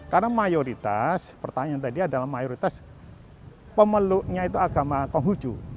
karena mayoritas pertanyaan tadi adalah mayoritas pemeluknya itu agama konghuju